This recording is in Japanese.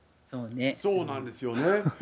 そうなんですよね。